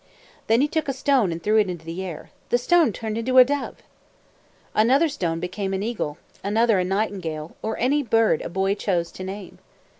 Then he took a stone and threw it into the air. The stone turned into a dove! Another stone became an eagle, another a nightingale, or any bird a boy chose to name.